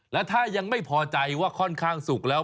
และถ้ายังไม่พอใจว่าค่อนข้างสุกแล้ว